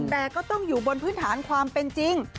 แต่ก็ต้องอยู่บนพื้นฐานความเป็นจริง